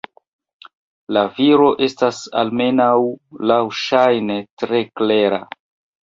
La viro estas, almenaŭ laŭŝajne, tre klera.